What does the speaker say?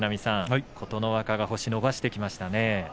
琴ノ若が星を伸ばしてきましたね。